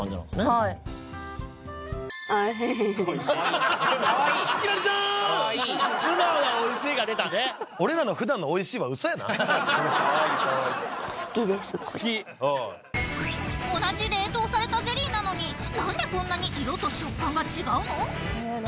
はいかわいい俺らの同じ冷凍されたゼリーなのになんでこんなに色と食感が違うの？